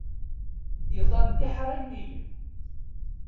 Iḍan d iḥṛaymiyen.